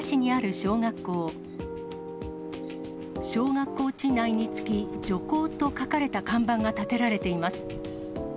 小学校地内につき徐行と書かれた看板が立てられています。